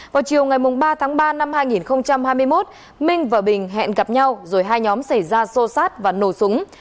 vào chiều ngày ba tháng ba năm hai nghìn hai mươi một minh và bình hẹn gặp nhau rồi hai nhóm xảy ra xô xát và nổ súng